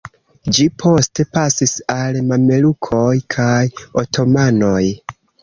Ĝi poste pasis al mamelukoj kaj otomanoj.